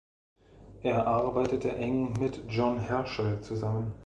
Er arbeitete eng mit John Herschel zusammen.